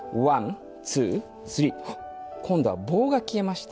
あっ今度は棒が消えました。